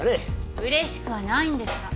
うれしくはないんですが。